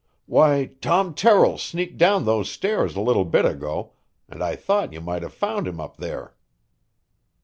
"Why, Tom Terrill sneaked down those stairs a little bit ago, and I thought you might have found him up there."